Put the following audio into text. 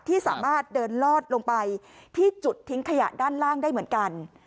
ที่สามารถเดินลอดลงไปที่จุดทิ้งขยะด้านล่างได้เหมือนกัน